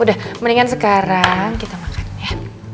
udah mendingan sekarang kita makan ya